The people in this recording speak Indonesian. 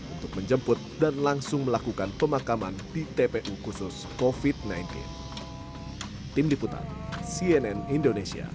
untuk menjemput dan langsung melakukan pemakaman di tpu khusus covid sembilan belas